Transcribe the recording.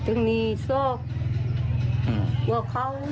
ตรงนี้ส่วน